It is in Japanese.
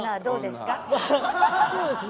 そうですね。